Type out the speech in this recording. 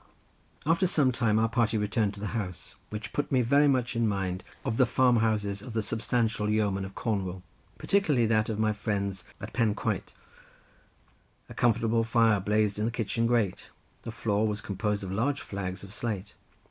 After some time our party returned to the house—which put me very much in mind of the farm houses of the substantial yeomen of Cornwall, particularly that of my friends at Penquite; a comfortable fire blazed in the kitchen grate, the floor was composed of large flags of slate.